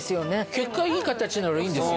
結果いい形ならいいんですよ